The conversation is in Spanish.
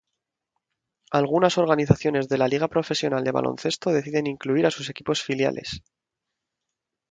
Algunas organizaciones de la Liga Profesional de Baloncesto deciden incluir a sus equipos filiales.